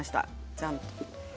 じゃーん！